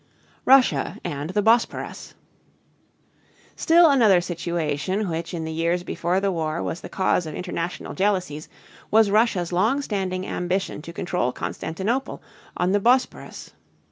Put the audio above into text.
RUSSIA AND THE BOSPORUS. Still another situation which in the years before the war was the cause of international jealousies was Russia's long standing ambition to control Constantinople on the Bos´porus.